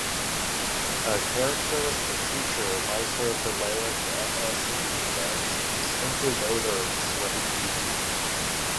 A characteristic feature of isovaleric acidemia is a distinctive odor of sweaty feet.